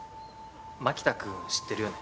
槙田くん知ってるよね？